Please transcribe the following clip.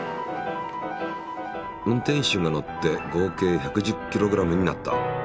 運転手が乗って合計１１０ｋｇになった。